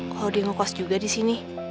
kalau dia ngekos juga disini